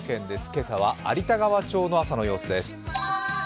今朝は有田川町の今朝の様子です。